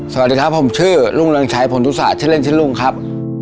สวัสดีครับผมชื่อลุงรังชัยผลลุกศาสตร์เช่นเล่นเช่นลุงครับ